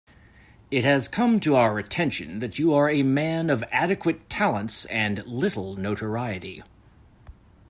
It has come to our attention that you are a man of adequate talents and little notoriety.